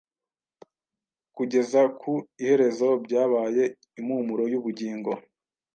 kugeza ku iherezo byabaye impumuro y’ubugingo